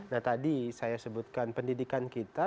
nah tadi saya sebutkan pendidikan kita